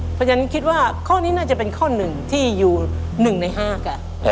เพราะฉะนั้นคิดว่าข้อนี้น่าจะเป็นข้อหนึ่งที่อยู่๑ใน๕กัน